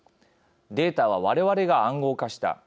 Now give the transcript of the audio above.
データはわれわれが暗号化した。